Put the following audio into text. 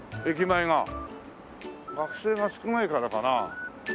学生が少ないからかな？